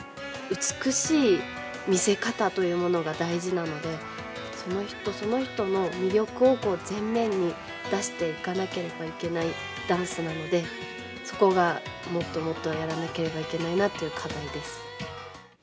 美しい見せ方というものが大事なので、その人その人の魅力を前面に出していかなければいけないダンスなので、そこがもっともっとやらなければいけないなという課題です。